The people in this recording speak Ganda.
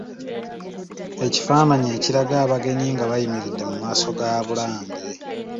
Ekifaananyi ekiraga abagenyi nga bayimiridde mu maaso ga Bulange.